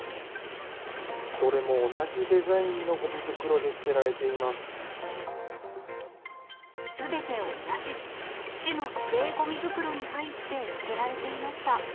どれも同じデザインのごみ袋すべて同じ、市の指定ごみ袋に入って捨てられていました。